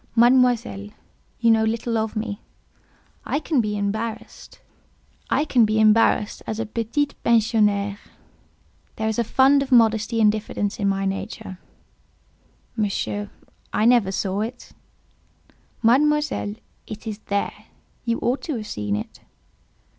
"Mademoiselle, you know little of me; I can be embarrassed as a petite pensionnaire; there is a fund of modesty and diffidence in my nature—" "Monsieur, I never saw it." "Mademoiselle, it is there. You ought to have seen it."